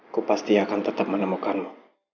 aku pasti akan tetap menemukanmu